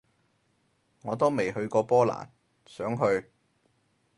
我都未去過波蘭，想去